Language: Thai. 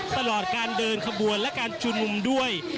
ตลอดการเดินขบวนและการชุมนุมด้วย